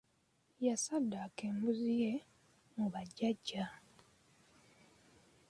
Yasaddako embuzi ye mu ba jjaja.